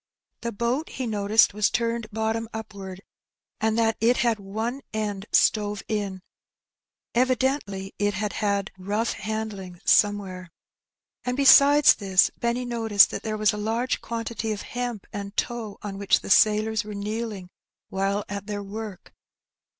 The boat he noticed was turned bottom upward, and that it had one end stove in; evidently it had had rough handling somewhere. And besides this, Benny noticed that there was a large quantity of hemp and tow on Roughing It. 31 whicli the sailors were kneeling while at their work.